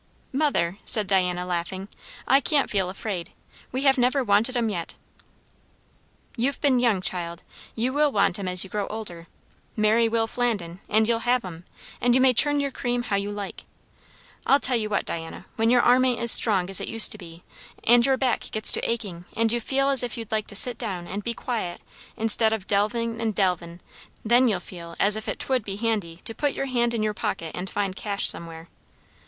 "Mother," said Diana, laughing, "I can't feel afraid. We have never wanted 'em yet." "You've been young, child. You will want 'em as you grow older. Marry Will Flandin, and you'll have 'em; and you may churn your cream how you like. I tell you what, Diana; when your arm ain't as strong as it used to be, and your back gets to aching, and you feel as if you'd like to sit down and be quiet instead of delvin' and delvin', then you'll feel as if 't would be handy to put your hand in your pocket and find cash somewhere.